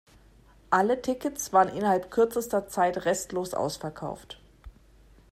Alle Tickets waren innerhalb kürzester Zeit restlos ausverkauft.